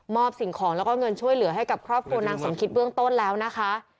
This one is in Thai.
อบสิ่งของแล้วก็เงินช่วยเหลือให้กับครอบครัวนางสมคิดเบื้องต้นแล้วนะคะ